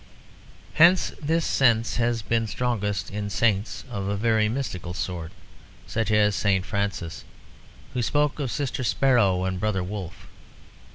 Hence this sense has been strongest in saints of a very mystical sort; such as St. Francis who spoke of Sister Sparrow and Brother Wolf.